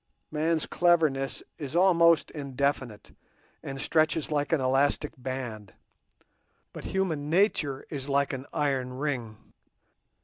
Man's cleverness is almost indefinite, and stretches like an elastic band, but human nature is like an iron ring.